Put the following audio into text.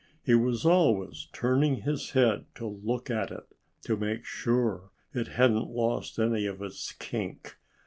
He was always turning his head to look at it, to make sure it hadn't lost any of its kink.